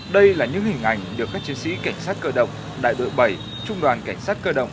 đây là những hình ảnh được các chiến sĩ cảnh sát cơ động đại đội bảy trung đoàn cảnh sát cơ động